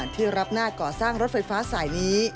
ที่รับหน้าก่อสร้างรถไฟฟ้าสายนี้